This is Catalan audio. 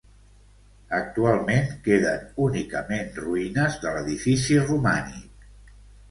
Actualment queden únicament ruïnes de l'edifici romànic.